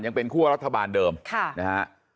ยังเป็นคั่วรัฐบาลเดิมนะฮะ